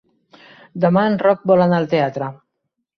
Demà en Roc vol anar al teatre.